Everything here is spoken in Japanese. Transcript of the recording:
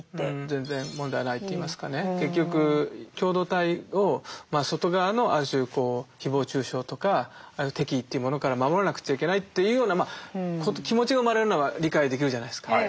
全然問題ないといいますかね結局共同体を外側のある種誹謗中傷とか敵というものから守らなくちゃいけないというようなまあ気持ちが生まれるのは理解できるじゃないですか。